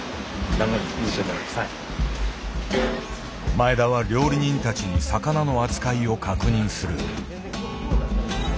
前田は料理人たちに魚の扱いを確認する。